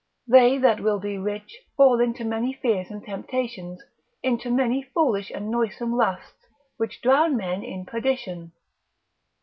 They that will be rich fall into many fears and temptations, into many foolish and noisome lusts, which drown men in perdition.